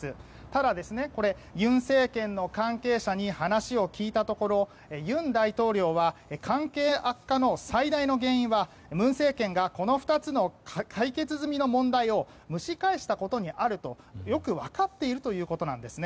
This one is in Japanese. ただ、尹政権の関係者に話を聞いたところ尹大統領は関係悪化の最大の原因は文政権が、この２つの解決済みの問題を蒸し返したことにあるとよく分かっているということなんです。